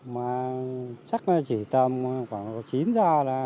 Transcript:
mà chắc là chỉ tầm khoảng chín giờ là